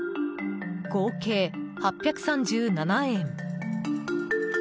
合計８３７円。